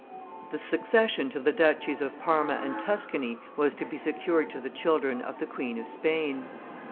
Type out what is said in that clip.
The succession to the duchies of Parma and Tuscany was to be secured to the children of the Queen of Spain.